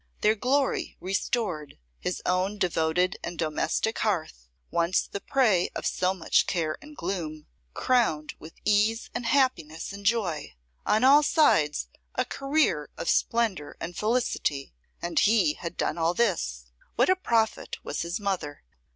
Their glory restored; his own devoted and domestic hearth, once the prey of so much care and gloom, crowned with ease and happiness and joy; on all sides a career of splendour and felicity. And he had done all this! What a prophet was his mother!